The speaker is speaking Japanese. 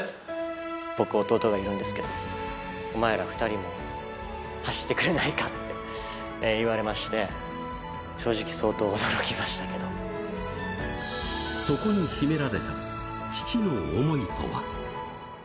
僕、弟がいるんですけど、お前ら２人も走ってくれないかって言われまして、正直、そこに秘められた、父の想いとは。